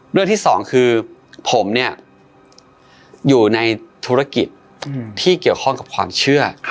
เรื่องที่สองคือผมเนี่ยอยู่ในธุรกิจที่เกี่ยวข้องกับความเชื่อ